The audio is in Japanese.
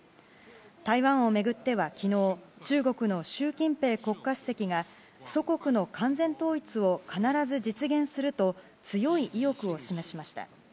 台湾を巡っては昨日中国の習近平国家主席が祖国の完全統一を必ず実現すると強い意欲を示しました。